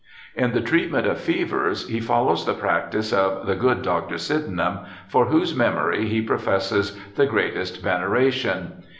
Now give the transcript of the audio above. In the treatment of fevers he follows the practice of the ' good Dr. Sydenham ', for whose memory he pro fesses ' the greatest veneration